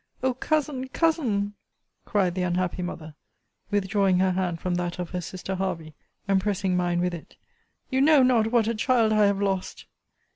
O Cousin, Cousin! cried the unhappy mother, withdrawing her hand from that of her sister Hervey, and pressing mine with it, you know not what a child I have lost!